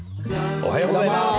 おはようございます。